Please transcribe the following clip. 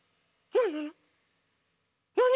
なに？